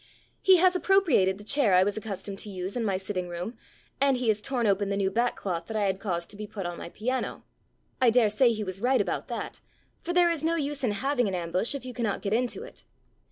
... He has appropriated the chair I was accustomed to use in my sitting room, and he has torn open the new back cloth that I had caused to be put on my piano. I dare say he was right about that, for there is no use in having an ambush if you cannot get into it.